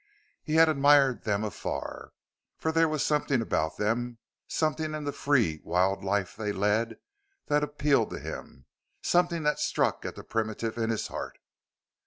He had admired them afar, for there was something about them, something in the free, wild life they led, that appealed to him; something that struck at the primitive in his heart.